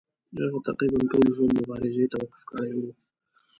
هغه تقریبا ټول ژوند مبارزې ته وقف کړی وو.